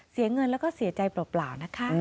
เสียเงินแล้วก็เสียใจเปล่านะคะ